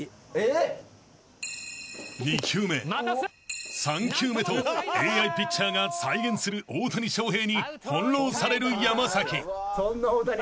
［２球目３球目とＡＩピッチャーが再現する大谷翔平に翻弄される山］